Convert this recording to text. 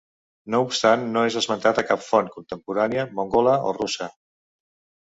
No obstant no és esmentat a cap font contemporània, mongola o russa.